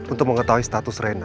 untuk mengetahui status rena